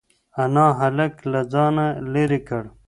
انا هلک له ځانه لرې کړ.